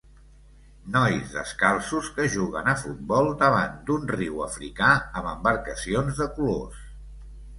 Nois descalços que juguen a futbol davant d'un riu africà amb embarcacions de colors.